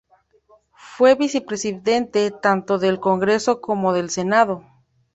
Fue vicepresidente tanto del Congreso como del Senado.